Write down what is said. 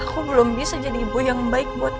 aku belum bisa jadi ibu yang baik buat